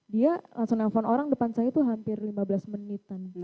dia langsung nelfon orang depan saya tuh hampir lima belas menitan